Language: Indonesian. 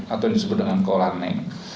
atau disebut dengan kolane